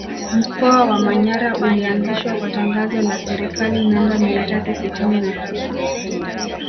Mkoa wa Manyara ulianzishwa kwa tangazo la Serikali namba mia tatu sitini na saba